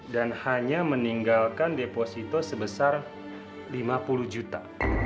dan hanya meninggalkan deposito sebesar lima puluh juta